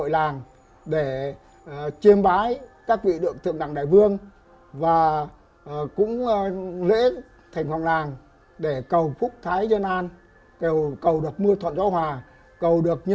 làng trúc sơn năm năm hai lần mở hội